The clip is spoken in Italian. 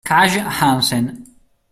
Kaj Hansen